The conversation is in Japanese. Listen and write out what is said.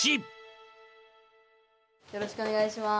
よろしくお願いします。